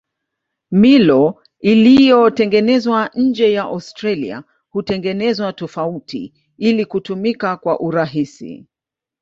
Milo iliyotengenezwa nje ya Australia hutengenezwa tofauti ili kutumika kwa urahisi.